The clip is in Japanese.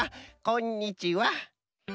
こんにちは。